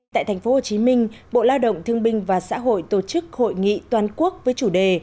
tại tp hcm bộ lao động thương binh và xã hội tổ chức hội nghị toàn quốc với chủ đề